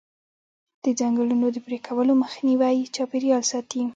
د ځنګلونو د پرې کولو مخنیوی چاپیریال ساتي.